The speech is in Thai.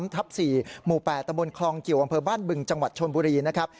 ทับ๔หมู่๘ตะบนคลองกิวอำเภอบ้านบึงจังหวัดชนบุรีนะครับ